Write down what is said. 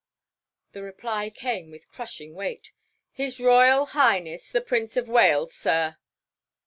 The reply came with crushing weight. "His Royal Highness the Prince of Wales, sir!"